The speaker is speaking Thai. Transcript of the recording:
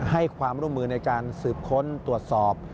ให้ความร่วมมือในการสืบค้นตรวจสอบ